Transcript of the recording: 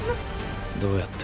どうやって？